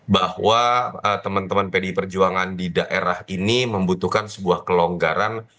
bahwa teman teman pdi perjuangan di daerah ini membutuhkan sebuah kelonggaran